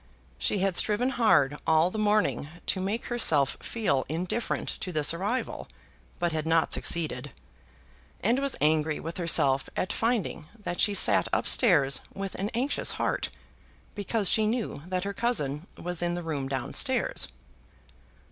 She had striven hard all the morning to make herself feel indifferent to this arrival, but had not succeeded; and was angry with herself at finding that she sat up stairs with an anxious heart, because she knew that her cousin was in the room down stairs.